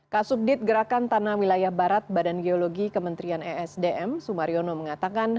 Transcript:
kasubdit gerakan tanah wilayah barat badan geologi kementerian esdm sumariono mengatakan